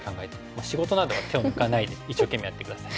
仕事などは手を抜かないで一生懸命やって下さい。